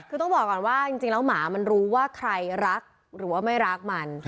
คือต้องบอกก่อนว่าจริงแล้วหมามันรู้ว่าใครรักหรือว่าไม่รักมัน